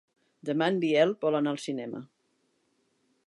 Demà en Biel vol anar al cinema.